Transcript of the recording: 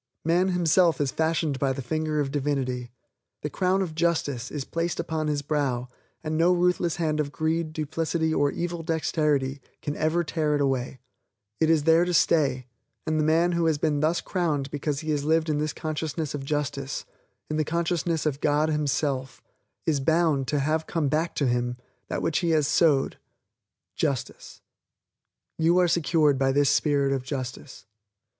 Man himself is fashioned by the finger of Divinity. The crown of justice is placed upon his brow and no ruthless hand of greed, duplicity or evil dexterity can ever tear it away. It is there to stay, and the man who has been thus crowned because he has lived in this consciousness of justice in the consciousness of God Himself is bound to have come back to him that which he has thought, that which he has sowed Justice. You are secured by this spirit of justice.